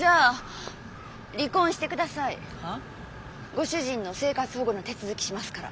ご主人の生活保護の手続きしますから。